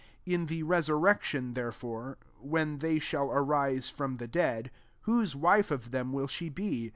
23 In the resurrection,[t here fore,] when they shall ariseyroi?! the dead, whose wife of them win she be